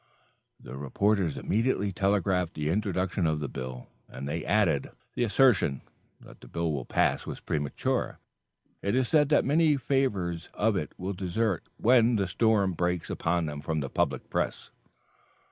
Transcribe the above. The reporters immediately telegraphed the introduction of the bill. And they added: "The assertion that the bill will pass was premature. It is said that many favorers of it will desert when the storm breaks upon them from the public press."